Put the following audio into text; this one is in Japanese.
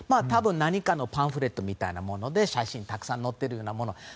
多分何かのパンフレットみたいなもので写真がたくさん載ってるようなもの。